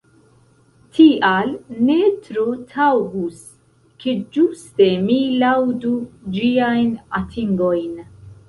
Tial ne tro taŭgus, ke ĝuste mi laŭdu ĝiajn atingojn.